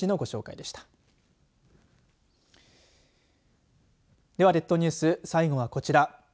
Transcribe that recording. では列島ニュース最後はこちら。